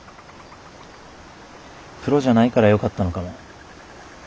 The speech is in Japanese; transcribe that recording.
プロじゃないからよかったのかも。